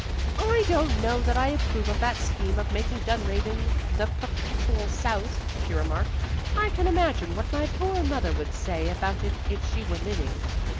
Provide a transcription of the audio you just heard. "I don't know that I approve of that scheme of making Dunraven the Perpetual Souse," she remarked. "I can imagine what my poor mother would say about it if she were living.